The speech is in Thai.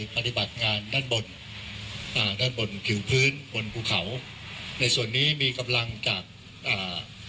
ปฏิบัติงานด้านบนอ่าด้านบนผิวพื้นบนภูเขาในส่วนนี้มีกำลังจากอ่า